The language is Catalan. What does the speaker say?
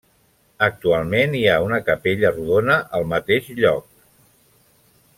Actualment hi ha una capella rodona al mateix lloc.